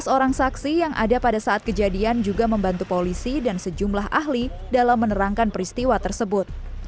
sebelas orang saksi yang ada pada saat kejadian juga membantu polisi dan sejumlah ahli dalam menerangkan peristiwa tersebut